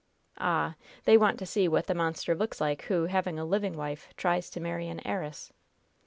"Ah, they want to see what the monster looks like who, having a living wife, tries to marry an heiress!"